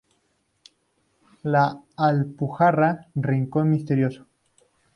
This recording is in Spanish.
La Alpujarra: rincón misterioso".